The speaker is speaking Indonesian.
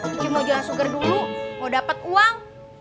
icu mau jualan sugar dulu mau dapet uang